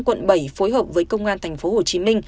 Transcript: quận bảy phối hợp với công an tp hcm